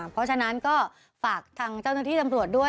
เพราะฉะนั้นก็ฝากทางเจ้าหน้าที่ตำรวจด้วย